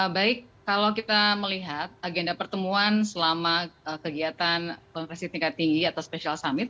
baik kalau kita melihat agenda pertemuan selama kegiatan konferensi tingkat tinggi atau special summit